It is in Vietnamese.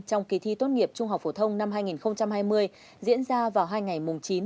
trong kỳ thi tốt nghiệp trung học phổ thông năm hai nghìn hai mươi diễn ra vào hai ngày chín một mươi tám